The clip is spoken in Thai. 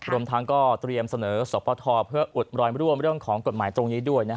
รวมทั้งก็เตรียมเสนอสปทเพื่ออุดรอยร่วมเรื่องของกฎหมายตรงนี้ด้วย